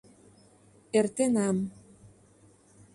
Эртенам...